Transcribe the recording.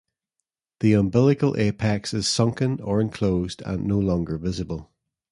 The umbilical apex is sunken or enclosed and no longer visible.